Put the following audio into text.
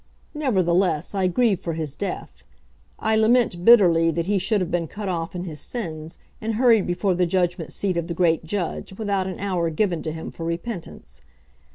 Nevertheless, I grieve for his death. I lament bitterly that he should have been cut off in his sins, and hurried before the judgment seat of the great Judge without an hour given to him for repentance.